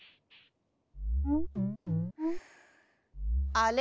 あれ？